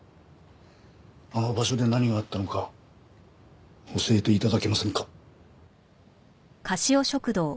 あの場所で何があったのか教えて頂けませんか？